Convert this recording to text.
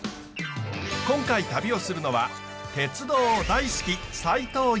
今回旅をするのは鉄道大好き斉藤雪乃さん。